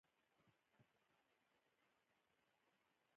بزګان د افغانستان په ستراتیژیک اهمیت کې رول لري.